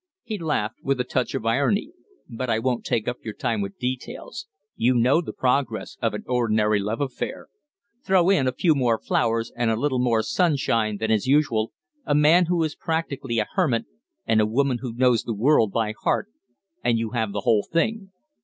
He laughed with a touch of irony. "But I won't take up your time with details. You know the progress of an ordinary love affair. Throw in a few more flowers and a little more sunshine than is usual, a man who is practically a hermit and a woman who knows the world by heart, and you have the whole thing.